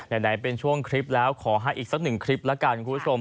ไหนเป็นช่วงคลิปแล้วขอให้อีกสักหนึ่งคลิปแล้วกันคุณผู้ชม